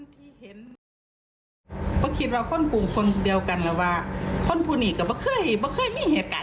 เธอบอกว่าเธอบอกว่าเธอบอกว่าเธอบอกว่าเธอบอกว่า